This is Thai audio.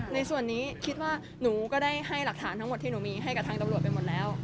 ในส่วนนี้คิดว่าหนูก็ได้ให้หลักฐานทั้งหมดที่หนูมีให้กับทางตำรวจไปหมดแล้ว